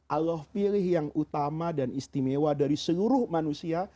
allah pilih yang utama dan istimewa dari seluruh manusia